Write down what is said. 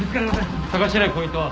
捜してないポイントは？